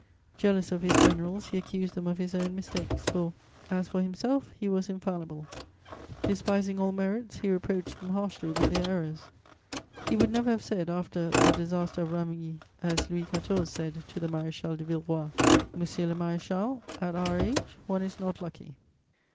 Jealous of his generals, he accused them of his own mistakes, for, as for himself, he was infallible. Despising all merits, he reproached them harshly with their errors. He would never have said, after the disaster of Ramillies, as Louis XIV. said to the Maréchal de Villeroi: "Monsieur le maréchal, at our age one is not lucky."